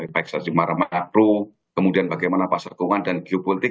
baik strategi mara makro kemudian bagaimana pasar keuangan dan geopolitik